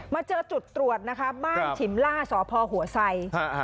เจอจุดตรวจนะคะบ้านฉิมล่าสพหัวไซ